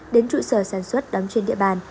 đến trụ sở sản xuất đóng trên địa bàn